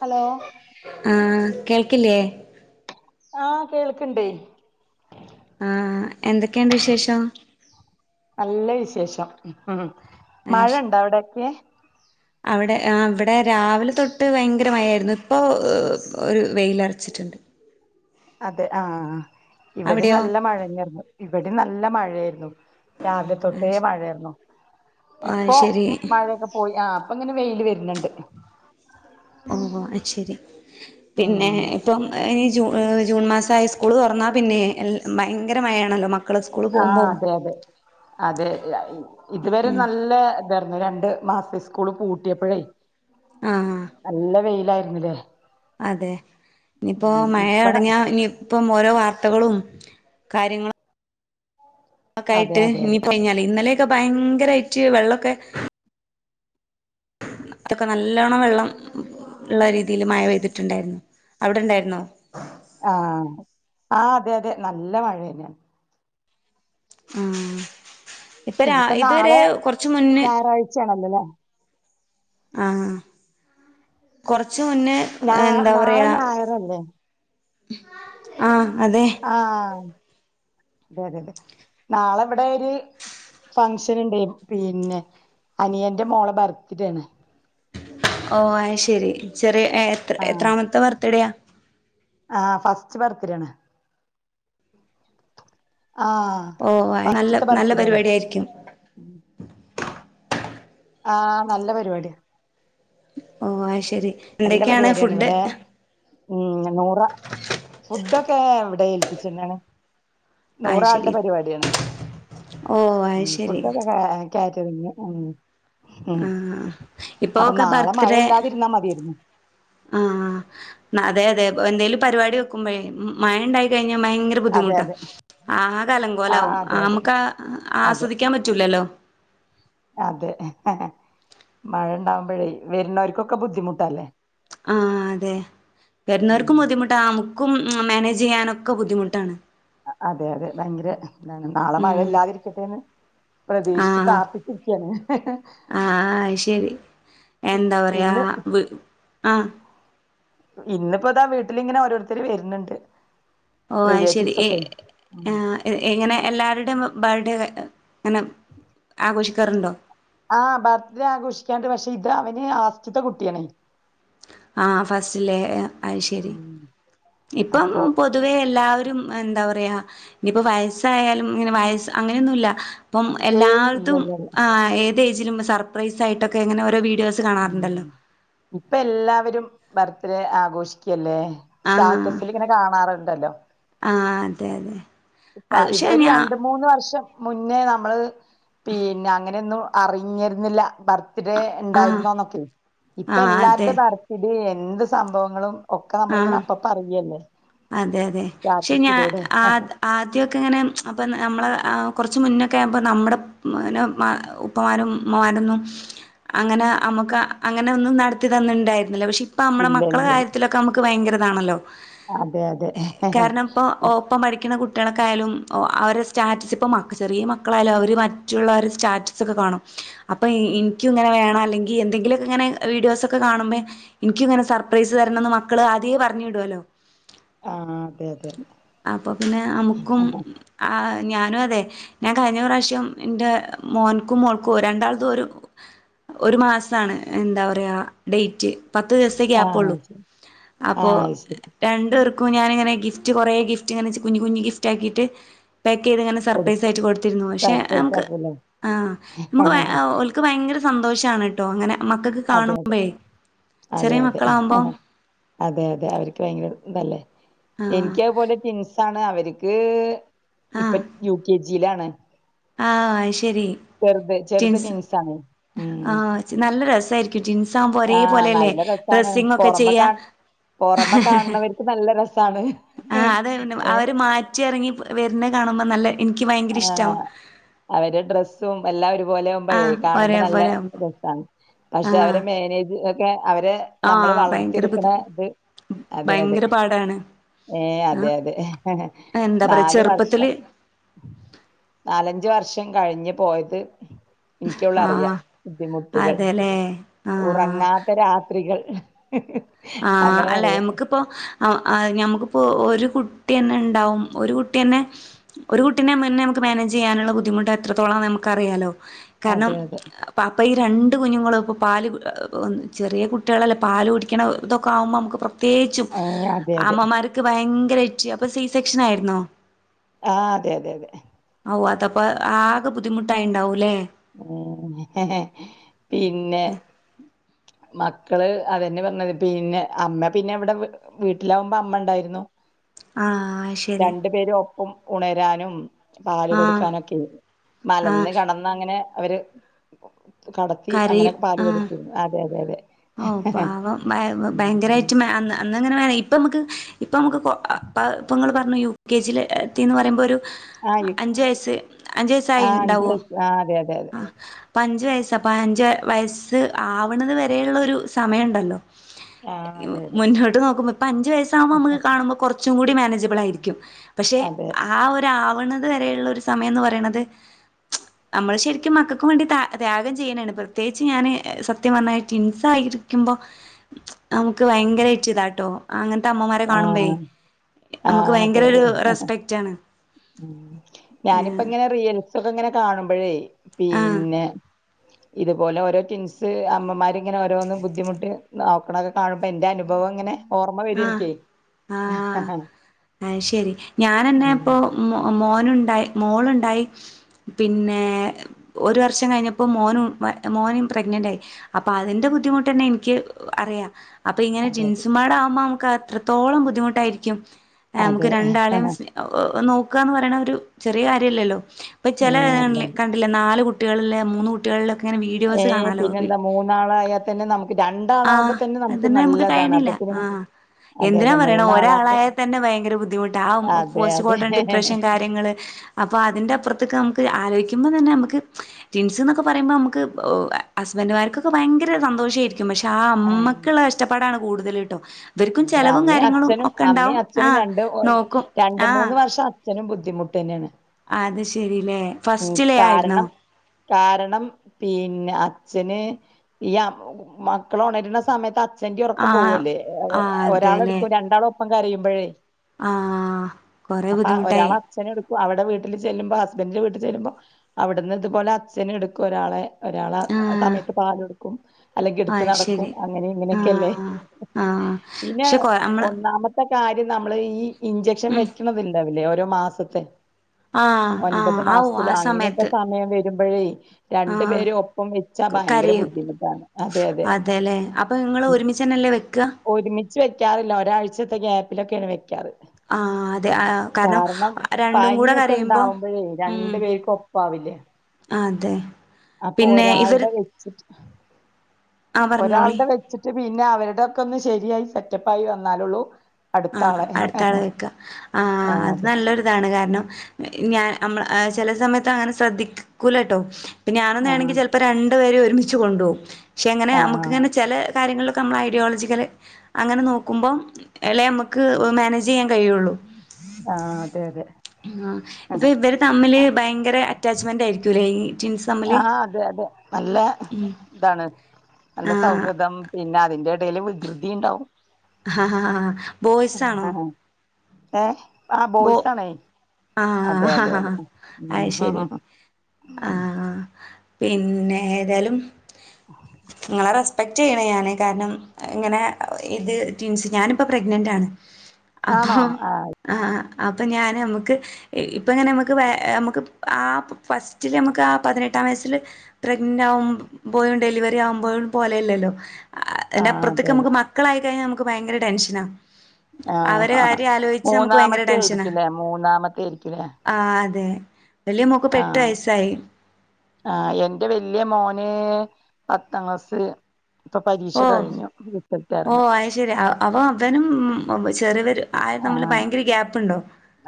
Hello ആഹ് കേൾക്കില്ലേ? ആഹ് കേൾക്കണ്ടേ. ആഹ് എന്തൊക്കെണ്ട് വിശേഷം? നല്ല വിശേഷം അയ്ശ് മഴണ്ട അവിടെക്കെ? അവിടെ ആഹ് അവിടെ രാവിലെ തൊട്ട് ഭയങ്കര മയായിരുന്നു ഇപ്പോ ഒരു വെയിലറച്ചിട്ടുണ്ട്. അതെ ആഹ് ഹ് ഇവിടെ അവിടെയോ നല്ല മഴന്നായിരുന്നു ഇവിടെ നല്ല മഴയായിരുന്നു. രാവിലെ ആഹ് തൊട്ടേ ശ് മഴായിരുന്നു ആഹ് ഇപ്പൊ ശരി മഴയൊക്കെ പോ പോയി ആ അപ്പങ്ങനെ വെയില് വരുന്നുണ്ട്. ഓ ഓ അയ് ശരി പിന്നെ ഉം ഇപ്പം ഇനി ജൂ ജൂൺ മാസയി സ്കൂൾ തുറന്നാ പിന്നെ ഭയങ്കര മഴയാണല്ലോ മക്കള് സ്കൂള് ആഹ് പോകുമ്പോം അതെ അതെ അതെ ഇതുവരെ ഉം നല്ലേ അതായിര്ന്നു രണ്ട് മാസ സ്കൂള് പൂട്ടിയപ്പോഴേ ആഹ് നല്ല വെയിലായിരുന്നില്ലേ? അതെ ഇനിപ്പോ ഉം മഴ ഇപ്പ തുടങ്ങിയാ ഇനി പ്പം ഓരോ വാർത്തകളും കാര്യങ്ങള് ക്കെ അതെ ആയിട്ട് അതെ ഇനി അതെ ഞ്ഞാല് ഇന്നലെക്കെ ഭയങ്കരയിട്ട് വെള്ളക്കെ തൊക്കെ നല്ലണം വെള്ളം ഉള്ള രീതിയിൽ മഴ പെയ്തിട്ടുണ്ടായിരുന്നു അവിടെണ്ടായിരുന്നൊ? ആഹ് ആഹ് അതെ അതെ നല്ല മഴന്നെയാ. ആഹ് ഇപ്പം രാ ഇതുവരെ കുറച്ച് മുന്നേ ച്ചണല്ലോല്ലേ? ആഹ് കൊറച്ച് മുന്നേ നാ എന്താ നാളെ പറയാ ഞായറല്ലേ? ആഹ് അതെ അതെതെ നാളെവിടെ ഒരു ഫംഗഷനുണ്ടേനു പിന്നെ അനിയന്റെ മോളെ ബർത്ത്ഡേണ്. ഓ ആയ്ശരി ചെറിയ എ എത്ര ആഹ് എത്രാമത്തെ ബർത്ത്ഡേയാ? ആഹ് ഫസ്റ്റ് ബർത്ത്ഡേണ് ആഹ് അഹ് ഓ നല്ല ഫസ്റ്റ്ത്തെ നല്ല ബർത്ത്ഡേണ് പരിപാടി ആയിരിക്കും ആഹ് നല്ല പര്‌വാട്യാ ഓഹ് അയ്ശെരി നല്ല ന്തെക്കെയാണ് പരിപാടിയാണ് ഫുഡ്ഡ് ഇവിടെ ഉം നൂറാ ഫുഡ്ഡാെക്കെ എവ്ടെ ഏൽപ്പിച്ച്ണെ അത് ശരി നൂറാൾടെ പര്പാട്യാണ് ഓ അത് ഉം ശരി ഫുഡ്ഡാെക്കെ കാ കേറ്ററിങ്ങ് ഉം ഉം ആഹ് ഇപ്പൊ അപ്പ ഒക്കെ നാളെ ബർത്ത്ഡേ മയല്ലാതിര്ന്നാ മത്യേര്ന്നു ആഹ് ന അതെ അതെ എന്തേലും പരിവാടി വെക്കുമ്പഴേ മഴണ്ടായ് കഴിഞ്ഞാ ഭയ്ങ്ക ര അതെ ബുദ്ധിമുട്ടാ അതെ ആകെ ആഹ് അലങ്കോലാവും അതെ അമ്ക്ക് അതെ ആസ്വദിയ്ക്കാം പറ്റൂലല്ലോ അതെ മഴണ്ടാവുമ്പഴേ വെര്ന്നോര്ക്കൊക്കെ ബുദ്ധിമുട്ടല്ലേ ആഹ് അതെ വര്ന്നവർക്കും ഉം ബുദ്ധിമുട്ടാ നമുക്കും മേനേജെയ്യാനൊക്കെ ബുദ്ധിമുട്ടാണ് അതെ അതെ ഭയ്ങ്കര താണ് നാളെ ഉം മഴല്ലാതിരിക്കെട്ടേന്ന് പ്രതീഷ്ച്ച് പ്രാർത്ഥി ഇര്ക്ക്യാണ് ആഹ് ആഹ് അയ്ശരി ഇ- എന്താ പറയാ ഇന്ന് വ് ആഹ് ഇന്ന്പ്പതാ വീട്ട്ല്ങ്ങെനെ ഓരോര്ത്തെര് വെര്ണ്‌ണ്ട് ഓഹ് അയ്ശെരി എ ആഹ് ഇ ഇങ്ങെനെ എല്ലാര്ടേം ബേഡേ ങ്ങെനെ ആഘോഷിക്കാറ്ണ്ടോ ആഹ് ബർത്ത്ഡേ ആഘോഷിക്കാണ്ട് പക്ഷെ ഇത് അവന് ആസ്റ്റ്ത്തെ കുട്ട്യാണെ ആഹ് ഫസ്റ്റ്ലേ അയ്ശരി ഉം ഇപ്പം അപ്പൊ പൊ തുവേ എല്ലാവെരും എന്താ പറയാ നിപ്പോ വയസ്സായാലും ഇങ്ങെനെ വയസ്‌ അങ്ങനെന്നുല്ലാ പ്പം ഏയ് എല്ലാര്തും ഇല്ലല്ലല്ല ആഹ് ഏതേജിലും സർപ്രൈസായ്ട്ടൊക്കെ ങ്ങെനെ ഓരോ വീഡ്യോസ്‌ കാണാറ്ണ്ടല്ലോ ഇപ്പ എല്ലാവരും ബർത്ത്ഡേ ആഘോഷിയ്ക്കല്ലേ ആഹ് സ്റ്റാറ്റസ്‌ല്ങ്ങെനെ കാണാറ്ണ്ടല്ലോ ആഹ് അതെ അതെ പ്പാ അത് ഇത് പക്ഷെ ഒര് ഞാൻ രണ്ട് മൂന്ന് വർഷം മുന്നേ നമ്മള് പീന്നെ അങ്ങനെയൊന്നും അറിഞ്ഞിര്ന്നില്ല ബർ ത്ത്ടേ ആഹ് ഇണ്ടായ്ര്ന്നോന്നൊക്കെ ഇപ്പ ആഹ് അതെ എല്ലാര്ടെ ബർത്തിടിം എന്ത് സംഭവങ്ങളും ഒക്കെ നമ്മളിങ്ങെനെ ആഹ് അപ്പപ്പ അറിയല്ലേ അതെ സ്റ്റാറ്റസിലൂടെ ദ്യാെക്കെങ്ങെനെ അപ്പ നമ്മളെ കൊറച്ച് മുന്നൊക്കെയാവുമ്പം നമ്മടെ [unintelligible] ഉപ്പമാരും മ്മമാരൊന്നും അങ്ങനെ അമുക്ക് അങ്ങെനെ ഒന്നും നടത്തി തന്നിണ്ടായ്ര്ന്നില്ല പക്ഷെ ഇ പ്പം നമ്മളെ ഇല്ല മക്കളെ ഇല്ല ഇല്ല. കാര്യത്തിലൊക്കെ നമ്ക്ക് ഭയങ്കരതാണല്ലോ അതെ അതെ ഓപ്പം പഠിയ്ക്ക്ണ കുട്ട്യേളൊക്കായാലും ഒ അവരെ സ്റ്റാറ്റസ് ഇപ്പം മ ചെറിയ മക്കളായാലും അവര് മറ്റുള്ളവെരെ സ്റ്റാറ്റ സൊക്കെ കാണും അപ്പം ഇ ഇൻയ്ക്കും ഇങ്ങെനെ വേണം അല്ലെങ്കി എന്തെങ്കിലൊക്കെങ്ങെനെ വീഡിയോസൊക്കെ കാണുമ്പെ ഇൻയ്ക്കും ഇങ്ങെനെ സർപ്രൈസ് തരണംന്ന് മക്കള് ആദ്യേ പർഞ്ഞ്ടോലാേ ആ അതെ അതെ അപ്പൊ പിന്നെ നമുക്കും അതെ. ആഹ് ഞാനും അതേ ഞാൻ കയ്ഞ്ഞ പ്രാശ്യം ഇന്റെ മോൻക്കും മോൾക്കും രണ്ടാൾതും ഒരു ഒരു മാസാണ് എന്താ പറയാ ഡെയ്റ്റ് പത്ത് ദിവ്സ്ത്തെ ആ ഗ്യാപ്പാെള്ളു ശരി ആ അപ്പോ ശരി രണ്ട് പേർക്കും ഞാന്ങ്ങെനെ ഗിഫ്റ്റ് കാെറേ ഗിഫ്റ്റ്ങ്ങെനെ കുഞ്ഞ് കുഞ്ഞ് ഗിഫ്റ്റാക്കീട്ട് പേക്കെയ്ത്ങ്ങെനെ കൊടുക്കും സർപ്രൈസായ്ട്ട് കൊട്ത്തിര്ന്നു പക്ഷെ സർപ്രൈസ് നമുക്ക് ആക്കൂല്ലേ ആഹ് നമുക്ക് ഭ അ ഒൽ ക്ക് ഭയ്ങ്കെര സന്തോഷാണ്‌ട്ടോ അങ്ങെനെ മക്കക്ക് അതെ അതെ കാണുമ്പേ അതെ ചെറ്യേ അതെ മക്കളാവുമ്പം അതെ അതെ അവര്ക്ക് ഭയങ്കെര തെല്ലേ ആ എനിയ്ക്കത്‌ പോലെ ടിൻസ് ചാണ് അവര്ക്ക് ഇപ്പ യു കെ ജിലാണ് ആഹ് അത്‌ ശരി ചെറുത് ടിൻസ് ട്വിൻസാണ് ഉം ആഹ് നല്ല രസായിരി ക്കും ടിൻസാകുമ്പ ഒരേ ആഹ് പോലെല്ലേ നല്ല ഡ്രസ്സിങ്ങൊക്കെ ചെയ്യാ പുറമെ കാണുന്നവർക്ക് നല്ല രസാണ് ഏ ച്ചി എറങ്ങി വരുന്നെ കാനുമ്പോ നല്ല എനിക്ക് ഭയങ്കര ഇഷ്ടാവും ആഹ് അവരരെ ഡ്രസ്സും എല്ലാം ഒരുപോലെ ആഹ് ഒരേ കാണുമ്പോ നല്ല പോലെ ആവുമ്പോ രസാണ്. പക്ഷെ ആഹ് അവരെ മാനേജ് ഒക്കെ അവരെ നമ്മള് ആഹ് ഭയങ്കര വളർത്തിയെടുക്കണ ബുദ്ധി ഇത് അതെ. അതെ, ഭയങ്കര പാടാണ് ഏ അതെ ആഹ് അതെ എന്താ പറയാ നാല് വർഷം ചെറുപ്പത്തില് നാലഞ്ച് വർഷം കഴിഞ്ഞ് പോയത് എനിക്കുള്ള അറിയാം ആഹ് ബുദ്ധിമുട്ടുകൾ, അതെല്ലേ ആഹ് ഉറങ്ങാത്ത രാ ത്രികൾ ആ അല്ലെ നമുക്ക് ഇപ്പോ ഞമ്മക്ക്പ്പോ ഒരു കുട്ടി തന്നെ ഉണ്ടാവും. ഒരു കുട്ടിന്നെ ഒരു കുട്ടിനെ തന്നെ നമുക്ക് മാനേജ് ചെയ്യാനുള്ള ബുദ്ധിമുട്ട് എത്രത്തോളം നമുക്ക് അറിയാലോ കാരണം. അതെ അതെ. അപ്പം ഈ രണ്ട് കുഞ്ഞുങ്ങളും ഇപ്പം പാല് കുടി. ചെറിയ കുട്ടികളല്ലെ പാല് കുടി ക്കണ ഇതൊക്കെ ആകുമ്പം നമുക്ക് പ്രത്യേകിച്ചും ഏഹ് അതെ അതെ. അമ്മമാരും. ക്ക്‌ ഭയങ്കര ആയിറ്റ്, അപ്പൊ സി സെക്ഷൻ ആയിരുന്നോ ആഹ് അതെ അതെ അതെ ഓ അതപ്പം ആകെ ബുദ്ധിമുട്ടായിട്ടുണ്ടാവും അല്ലേ ഉം പിന്നെ മക്കള് അതെന്നെ പറഞ്ഞത്, പിന്നെ അമ്മ പിന്നെ ഇവിടെ വീട്ടിലാവുമ്പോ അമ്മ ഉണ്ടായിരുന്നു ആഹ് ശരി രണ്ടു പേരും ഒപ്പം ഉണരാനും. പാല് ആഹ് കൊടുക്കാനൊക്കെ, ആഹ് മലന്ന് കിടന്ന് അങ്ങനെ അവര് കടത്തി അങ്ങനെ കരയും പാല് ആഹ് കൊടുത്തിരുന്നു. അതെ, അതെ, അതെ ഓ പാവം ബ ബ ഉം ഉം. ഭയങ്കരമായിട്ട് അന്ന് അന്നങ്ങനെ ഇപ്പം നമുക്ക്, ഇപ്പം നമുക്കിപ്പം, ഇപ്പം നിങ്ങൾ പറഞ്ഞു യു കെ ജിൽ എത്തിന്ന് പറയുമ്പോൾ ഒരു ആഹ് അഞ്ച് വയസ്, അഞ്ച് വയസായി ആഹ് അഞ്ച് ഉണ്ടാവോ. വയസ്സ് ആഹ് അതെ അതെ അതെ. ആ ഇപ്പം അഞ്ച് വയസ്സ്, അപ്പം അഞ്ച് വയസ്സ് ആവണുതുവരെയുള്ള ഒരു സമയണ്ടല്ലോ ആഹ് അതെ അതെ. മുന്നോട്ട് നോക്കുമ്പോ ഇപ്പം അഞ്ചു വയസ്സാവുമ്പോ നമ്മുക്ക് കാണുമ്പോ കൊറച്ച് ച്ചൂടി മാനേജബിൾ ആയിരിക്കും. പക്ഷെ അതെ ആ ആവണതുവരെയുള്ള ഒരു സമയംന്ന് പറയണത്, നമ്മള് ശരിക്കും മക്കൾക്ക് വേണ്ടി ത്യ ത്യാഗം ചെയ്യാനാണ്. പ്രത്യേകിച്ച് ഞാന് സത്യം പറഞ്ഞാല് ട്വിൻസായിരിക്കുമ്പോ നമുക്ക് ഭയങ്കരായിറ്റ് ഇതാട്ടോ അങ്ങനത്തെ അമ്മമാരെ കാണുമ്പഴേ ആഹ് ആഹ്. അതെ, അതെ ആണ് ഞാനിപ്പോ ഏഹ് ഇങ്ങനെ റിയൽ സൊക്കെ ഇങ്ങനെ കാണുമ്പോഴേ, ആഹ് പിന്നെ [inaudible] ഇതുപോലെ ഓരോ ട്വിൻസ്, അമ്മമാര് ഇങ്ങനെ ഓരോന്ന് ബുദ്ധിമുട്ടി നോക്കണൊക്കെ കാണുമ്പോൾ എന്റെനുഭവം ഇങ്ങനെ ഓർമ്മ വരുവെനിക്ക് ആഹ്. അത് ശരി. ഞാനെന്നെ ഉം ഇപ്പൊ മോനുണ്ടായി, മോളുണ്ടായി, പിന്നെ ഒരു വർഷം കഴിഞ്ഞപ്പോൾ മോനും, മോനയും പ്രഗ്നൻറായി. അപ്പൊ അതിന്റെ ബുദ്ധിമുട്ട് തന്നെ എനിക്ക് അറിയാം. അപ്പൊ ഇങ്ങനെ അതെ ട്വിൻസുമാരാകുമ്പോ നമുക്ക് എത്രത്തോളം ബുദ്ധിമുട്ടായിരിക്കും. നമുക്ക് അതെ രണ്ടാളെയും അതെ നോക്കുകാന്ന് പറയണ, ഒരു ചെറിയ കാര്യ ല്ല ല്ലോ. അപ്പൊ ചില ഏഹ് അതെ രില്ലേ, നാല് കുട്ടികളുള്ള, മൂന്ന് കുട്ടി കളുള്ള തൊക്കെ വീ ഏ. പിന്നെ, ന്താ മൂന്നാള് ആയാൽ തന്നെ നമു ക്ക്, രണ്ടാളാവുമ്പോ ആഹ് തന്നെ നമുക്ക് അതന്നെ നല്ലതാണ്. കഴിയണില്ല അപ്പൊ പിന്നെ ആഹ് അതെ എന്തിനാ അതെ പറയണം. മൂന്നാളാക്കെ ഒരാളായാൽ തന്നെ ഭയങ്കര ബുദ്ധിമുട്ട് ആണ്. അതെ അതെ പോസ്റ്റ്മോർട്ടം, ഡിപ്രഷൻ കാര്യങ്ങള് അപ്പൊ, അതിന്റെ അപ്പുറത്തൊക്കെ നമുക്ക് ആലോചിക്കുമ്പോ തന്നെ, നമുക്ക് ട്വിൻസ് എന്നൊക്കെ പറയുമ്പോൾ, നമുക്ക് ഹസ്ബൻഡ്മാർ ക്കൊക്കെ ഭയങ്കര, സന്തോഷ മായിരിക്കും. പക്ഷെ, ആഹ് അമ്മക്കുള്ള കഷ്ടപ്പാടാണ് കൂടുതല്, കേട്ടോ? ഇവർക്കും അതെ, ചെലവും അമ്മ കാര്യങ്ങളും അച്ഛനും, ഒക്കെ ഉണ്ടാവും അമ്മയും അച്ഛനും, ആഹ് രണ്ട് നോക്കും രണ്ട് ആഹ് മൂന്ന് വർഷ അച്ഛനും ബുദ്ധിമുട്ട് തന്നെയാണ്. അത് ശരി ല്ലേ. ഫസ്റ്റ് ലേ ആയിരുന്നോ? കാരണം കാരണം പിന്നെ അച്ഛന് ഈ മക്കൾ ഉണരുന്ന സമയത്ത്, അച്ഛന്റ ഉറക്കം ആഹ് പോകല്ലേ? ആഹ് ഒരാള് അതെല്ലേ എടുക്കുലാ രണ്ടാള് ഒപ്പം കരയുംമ്പഴേ ആഹ് കൊറെ അപ്പ ഒരാള് ബുദ്ധിമുട്ടായി അച്ഛൻ എടു ക്കും അവിടെ വീട്ടിൽ ചെല്ലുമ്പോ ഹസ്ബ ൻഡന്റെ വീട്ടിൽ ചെല്ലു മ്പോ? അവിടു ന്ന് ഇതു പോലെ അച്ഛന് എടുക്കും ഒരാളെ ഒരാളേ ആഹ് സമയത്ത് പാല് കൊടുക്കും അല്ലെങ്കി എടുത്ത് ആഹ് നടക്കും. ശരി അങ്ങനെ ഇങ്ങനെ യൊക്ക ല്ലേ? ആഹ് ആഹ് പിന്നെ പക്ഷെ കൊ നമ്മള് ഒന്നാമത്തെ കാര്യം നമ്മള് ഈ ഇഞ്ചെക്ഷൻ ഉം വെക്കണതിണ്ടാവില്ലേ? ഓരോ മാസത്തെ. ആഹ് ആഹ് ഒൻപത് ആവു മാസത്തില ആ അങ്ങനെയൊക്കെ സമയത്ത് സമയം വരുമ്പോഴേ? രണ്ടു ആഹ് പേരും ഒപ്പം വെച്ചാ ഭയങ്കര കരയും ബുദ്ധിമുട്ടാണ്. അതെ, അതെ അച്ചനല്ലേ വയ്ക്കുക. ഒരുമിച്ച് വെക്കാറില്ല. ഒരാഴ്ചത്തെ ഗ്യാപ്പിലൊക്കെയാണ് വെക്കാറ്. ആഹ് അതെ, ആഹ്, കാരണം രണ്ടും കൂടെ പനിയൊക്കെ കരയുമ്പോ? ഉണ്ടാവുമ്പഴേ ഉം രണ്ടു പേർക്കും ഒപ്പാവില്ലേ അതെ അപ്പൊ, പിന്നെ ഇവര് ഒരാളുടെ വെച്ചിട്ട് ആഹ് പറഞ്ഞോളി ഒരാളുടെ വെച്ച് ട്ട് പിന്നെ, അവരുടെയൊക്കെ ഒന്ന് ശരിയായി സെറ്റപ്പായി വന്നാലള്ളൂ. ആഹ്, അടുത്ത ആൾ വെക്കുക. ആഹ്, ആ അത് അതെ നല്ലൊരിതാണ്. കാരണം ഞാൻ ഞമ്മ ള് ചില സമയത്ത് അങ്ങനെ ശ്രദ്ധിക്കുല കേട്ടോ? പിന്ന ഞാനൊന്ന ആ വണെങ്കിൽ രണ്ട് പേരേ ഒരുമിച്ച് കൊണ്ട്‌ പോകും. പക്ഷെ അങ്ങനെ ആ നമുക്കങ്ങനെ ചില കാര്യങ്ങളിലൊക്കെ നമ്മൾ ഐഡിയോളജിക്കൽ അങ്ങനെ നോക്കുമ്പോ? ഇളേ നമുക്ക് മാനേജ് ചെയ്യാൻ കഴിയുള്ളൂ. ആഹ് അതെ അതെ ആഹ്, ആ ഇപ്പൊ ഇവര് തമ്മില് ഭയങ്കര അറ്റാച്ച്മെന്റ് ആയിരിക്കും ല്ലേ? ഈ ട്വിൻസ് തമ്മില് ആഹ്, അതെ അതെ, നല്ല ഉം ഇതാണ് നല്ല ആഹ് സൗഹൃദം. പിന്നെ അതിന്റെ ഇടയിൽ വികൃതിണ്ടാവും. [inaudible] ബോയ്സ് ആണോ? ഏഹ്, ആഹ് ബോ ബോയ്സാണ്. അതെ അതെ, ആഹ് അതെ. അത് ശരി ആഹ്, പിന്നെ ഏതായാലും നിങ്ങളെ റേ സ്പെക്റ്റ് ചെയ്യണ ഞാൻ. കാരണം ഇങ്ങനെ ഇത്, ടീൻസ് ഞാനിപ്പോൾ പ്രഗ്നൻറ്ണ്. അപ്പൊ, ആഹ് അപ്പൊ ഞൻ നമക്ക്. ഇപ്പ, എങ്ങനെ നമുക്ക് വ നമുക്ക് ആഹ്, ഫസ്റ്റില് നമുക്ക് ആഹ്, പതിനെട്ടാം വയസ്സില് പ്രഗ്നന്റ് ആവുമമ്പോ, ഡെലിവറി ആവുമ്പോഴും പോലെയല്ല ല്ലോ? ആഹ് അതെ അതിന്റെപ്പുറത്തേക്ക് അതെ നമുക്ക് മക്കളായിക്കഴിഞ്ഞാൽ നമുക്ക് ഭയങ്കര ടെൻഷനാ അവരെ ആഹ് കാര്യം ആലോചി മൂന്നാമത്തെ ആയിരിക്കൂല്ലേ മൂന്നാമത്ത ആയിരിക്കൂല്ലേ ആഹ് അതെ വലിയ മോക്ക് ഇപ്പൊ എട്ടു വയസായി ആഹ് എന്റെ വല്യ മോന് പത്താം ക്ലാസ് ഇപ്പൊ പരീക്ഷ ഓഹ് കഴിഞ്ഞു റിസൽട്ട് ഓ അറിഞ്ഞു അത് ശരി അവ അവനും ചെറിയവരു ആ തമ്മിൽ ആഹ് ഭയങ്കര ഗ്യാപ്പ്ണ്ടോ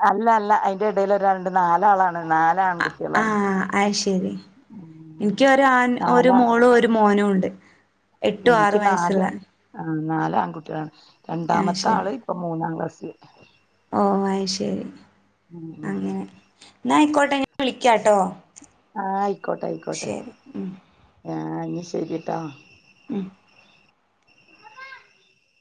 അല്ല അല്ല അതിന്റെ ഇടയിൽ ഒരാള്ണ്ട് നാലാളാണ് നാലാആൺ ആഹ് അത് ശരി ഉം എനിക്ക് ഒരു ആൺ ഒരു നാലാ മോളും ഒരു മോനും ഉണ്ട് എട്ടും എനിക്ക് ആറും നാല് വയസ്സുള്ള ആഹ് നാല് ആൺകുട്ടികളാണ് ആഹ് രണ്ടാമത്തെ ശരി ആള് ഇപ്പം മൂന്നാം ക്ലാസിൽ ഓ അത് ശരി ഉം അങ്ങനെ എന്നായിക്കോട്ടെ ഞാൻ വിളിക്കാംട്ടോ ആഹ് ആയിക്കോട്ടെ ആയിക്കോട്ടെ ഉം ആഹ് ഇനി ശരി ട്ടോ ഉം